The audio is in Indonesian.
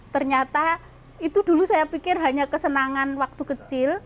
ternyata itu dulu saya pikir hanya kesenangan waktu kecil